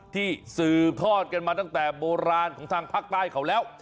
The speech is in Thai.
ที่สืบทอดกันมาตั้งแต่โบราณของทางภาคใต้เขาแล้ว